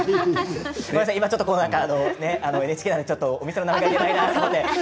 今、ＮＨＫなのでお店の名前を言えないなと思って。